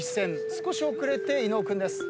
少し遅れて伊野尾君です。